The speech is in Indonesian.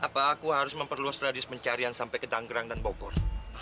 apa aku harus memperluas tradis pencarian sampai ke danggerang dan bau kor